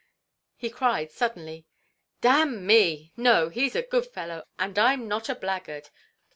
he cried, suddenly, "Damme! No! he's a good fellow, and I'm not a blackguard!